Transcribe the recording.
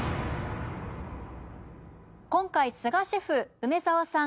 今回須賀シェフ梅沢さん